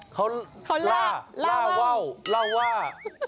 เขาล่าว่า